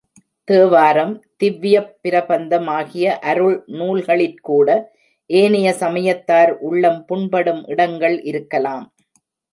தேவாரம், திவ்யப் பிரபந்தமாகிய அருள் நூல்களிற்கூட ஏனைய சமயத்தார் உள்ளம் புண்படும் இடங்கள் இருக்கலாம்.